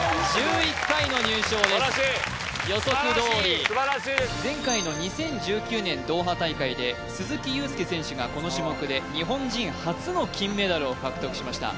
１１回の入賞です予測どおり前回の２０１９年ドーハ大会で鈴木雄介選手がこの種目で日本人初の金メダルを獲得しました